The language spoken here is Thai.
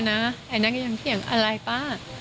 แนนั้ก็คงเพียงอะไรป่ะ